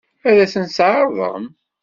Ad sen-t-tɛeṛḍem?